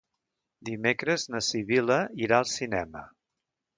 Dimecres na Sibil·la irà al cinema.